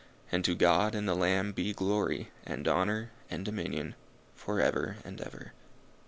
And to God and the Lamb be glory, and honour, and dominion for ever and ever.